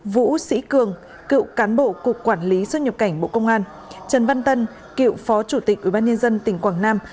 vũ sĩ cường cựu cán bộ cục quản lý xuất nhập cảnh bộ công an trần văn tân cựu phó chủ tịch ủy ban nhân dân tỉnh quảng nam